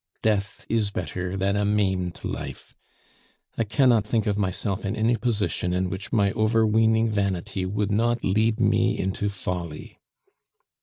Death is better than a maimed life; I cannot think of myself in any position in which my overweening vanity would not lead me into folly.